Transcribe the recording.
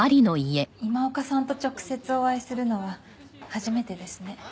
今岡さんと直接お会いするのは初めてですね。